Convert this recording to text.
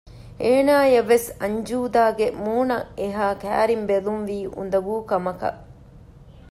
އޭނާއަށް ވެސް އަންޖޫދާގެ މޫނަށް އެހާ ކައިރިން ބެލުންވީ އުނދަގޫ ކަމަކަށް